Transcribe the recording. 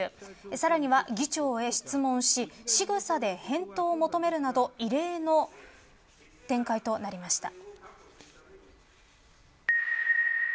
さらには議長へ質問ししぐさで返答を求めるなど異例の展開となりました。